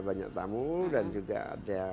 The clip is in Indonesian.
banyak tamu dan juga ada